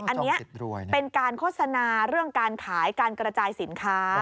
อันนี้เป็นการโฆษณาเรื่องการขายการกระจายสินค้า